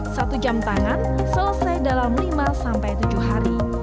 satu jam tangan selesai dalam lima sampai tujuh hari